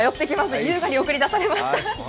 優雅に送り出されました。